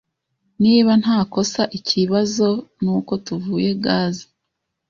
Niba ntakosa, ikibazo nuko tuvuye gaze.